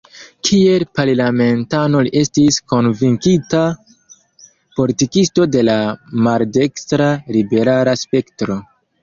Kiel parlamentano li estis konvinkita politikisto de la maldekstra-liberala spektro.